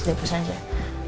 jangan kesan aja